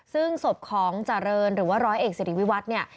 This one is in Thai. ซึ่งศพของเจริญหรือว่าร้อยเอกสิริวิวัฒน์เนี่ย